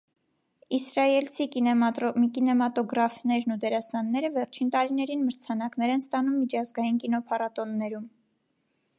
Իսրայելցի կինեմատոգրաֆներն ու դերասանները վերջին տարիներին մրցանակներ են ստանում միջազգային կինոփառատոններում։